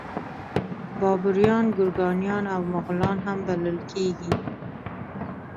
بابریان ګورکانیان او مغولان هم بلل کیږي.